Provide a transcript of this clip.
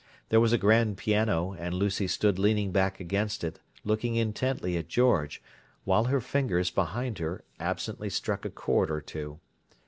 There was a grand piano, and Lucy stood leaning back against it, looking intently at George, while her fingers, behind her, absently struck a chord or two.